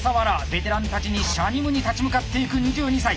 ベテランたちにしゃにむに立ち向かっていく２２歳。